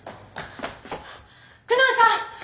久能さん！